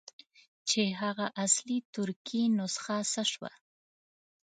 چې هغه اصلي ترکي نسخه څه شوه.